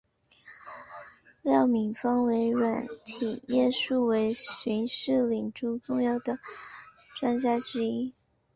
廖敏芳为软体业数位视讯领域中重要的专家之一。